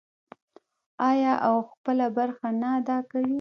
آیا او خپله برخه نه ادا کوي؟